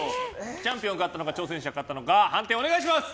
チャンピオン勝ったのか挑戦者が勝ったのか判定をお願いします。